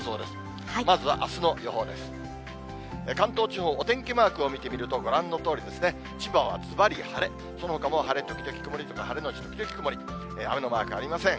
関東地方、お天気マークを見てみると、ご覧のとおりですね。